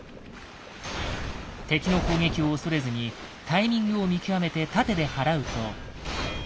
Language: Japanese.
敵の攻撃を恐れずにタイミングを見極めて盾ではらうと。